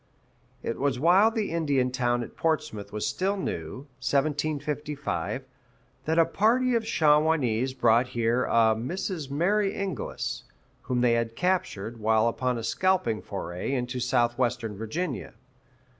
It was while the Indian town at Portsmouth was still new (1755), that a party of Shawanese brought here a Mrs. Mary Inglis, whom they had captured while upon a scalping foray into Southwestern Virginia.